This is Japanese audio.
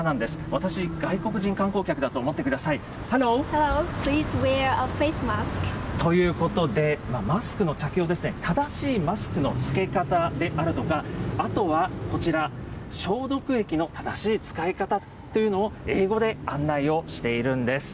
私、外国人観光客だと思ってくだということで、マスクの着用ですね、正しいマスクの着け方であるとか、あとはこちら、消毒液の正しい使い方というのを、英語で案内をしているんです。